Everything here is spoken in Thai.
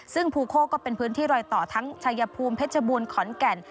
ซึ่งภูโคก็เป็นพื้นที่รอยต่อทั้งชายภูมิเพชรบูรณ์ขอนแก่น